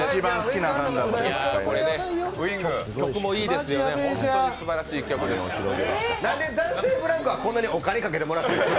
なんで男性ブランコはこんなにお金かけてもらってんですか？